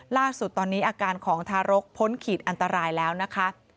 ล่าสุดตอนนี้อาการของทารกพ้นขีดอันตรายแล้วนะคะ